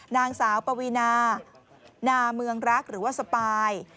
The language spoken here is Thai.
นางสาวปวีนานาเมืองรักหรือว่าสปาย